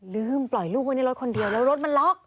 ลืมปล่อยลูกไว้ในรถคนเดียวแล้วรถมันล็อก